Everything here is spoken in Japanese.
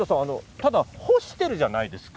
ただ、干しているじゃないですか。